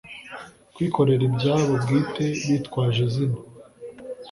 kwikorera ibyabo bwite bitwaje izina